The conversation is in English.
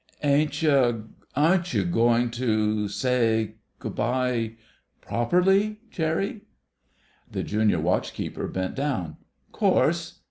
"Ain't you—aren't you going to—say good bye ... properly—Jerry?" The Junior Watch keeper bent down. "'Course